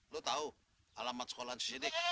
lu tahu alamat sekolahnya siddiq